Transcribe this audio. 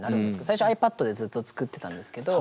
最初ｉＰａｄでずっと作ってたんですけど。